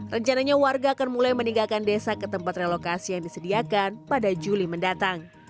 rencananya warga akan mulai meninggalkan desa ke tempat relokasi yang disediakan pada juli mendatang